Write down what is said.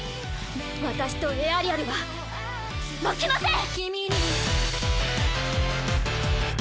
私とエアリアルは負けません！